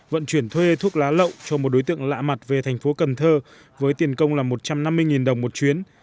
vận chuyển thuê thuốc lá lậu cho một đối tượng lạ mặt về thành phố cần thơ với tiền công là một trăm năm mươi đồng một chuyến